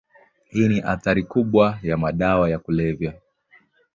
Hii ni athari kubwa ya madawa ya kulevya.